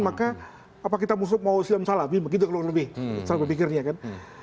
maka apa kita mau silam salabi begitu kalau lebih salah berpikirnya kan